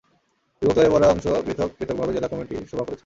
বিভক্ত হয়ে পড়া দুই অংশ পৃথক পৃথকভাবে জেলা কমিটির সভা করেছে।